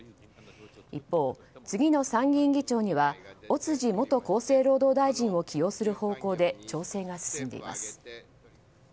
一方、次の参議院議長には尾辻元厚生労働大臣を起用する方向で調整が進んでいます。